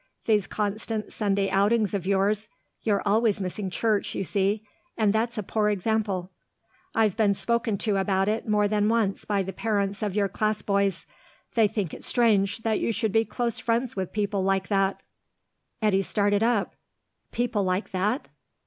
These constant Sunday outings of yours you're always missing church, you see, and that's a poor example. I've been spoken to about it more than once by the parents of your class boys. They think it strange that you should be close friends with people like that." Eddy started up. "People like that?